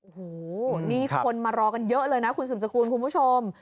โอ้โหนี่คนมารอกันเยอะเลยนะคุณสุมสกุลคุณผู้ชม